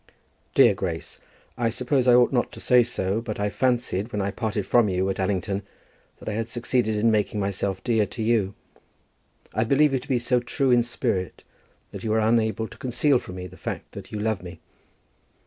Dear Grace, I suppose I ought not to say so, but I fancied when I parted from you at Allington, that I had succeeded in making myself dear to you. I believe you to be so true in spirit, that you were unable to conceal from me the fact that you love me.